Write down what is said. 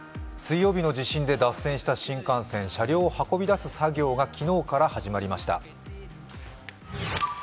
水曜日の地震で脱線した新幹線、車両を運び出す作業が昨日から始まりました。